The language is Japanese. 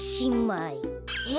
えっ？